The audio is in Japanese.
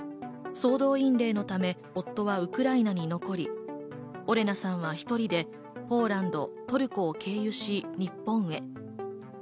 総動員令のため夫はウクライナに残り、オレナさんは１人でポーランド、トルコを経由し日本へ。